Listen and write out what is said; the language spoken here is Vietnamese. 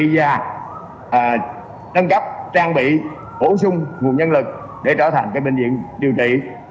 và nâng cấp trang bị phổ sung nguồn nhân lực để trở thành cái bệnh viện điều trị